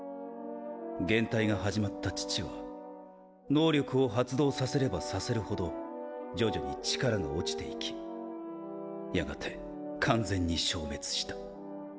減退が始まった父は能力を発動させればさせるほど徐々に力が落ちていきやがて完全に消滅した。